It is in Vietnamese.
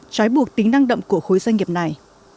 trói buộc tính năng động của khối doanh nghiệp này